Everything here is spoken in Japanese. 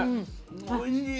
おいしい！